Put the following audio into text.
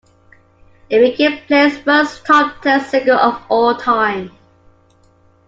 It became Play's first top ten single of all time.